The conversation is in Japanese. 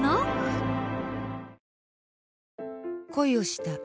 恋をした。